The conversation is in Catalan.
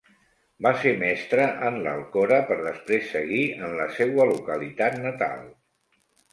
Va ser mestre en l'Alcora per després seguir en la seua localitat natal.